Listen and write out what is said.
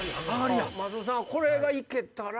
松本さんこれがいけたら。